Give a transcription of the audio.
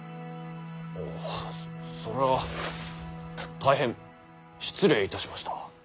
それは大変失礼いたしました。